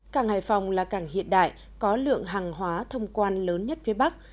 càng hải phòng là càng hiện đại có lượng hàng hóa thông quan lớn nhất phía bắc